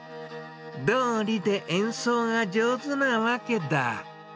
どうりで演奏が上手なわけだ。